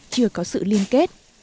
chưa có sự liên kết